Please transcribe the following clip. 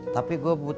tapi gue bangunnya